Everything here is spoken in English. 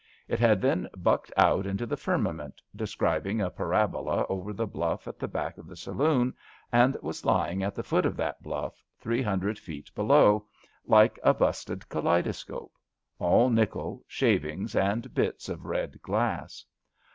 It had then bucked out into the firmament, describ ing a parabola over the bluflf at the back of the saloon, and was lying at the foot of that bluff, three hundred feet below, like a busted kaleidoscope — all nickel, shavings and bits of red glass.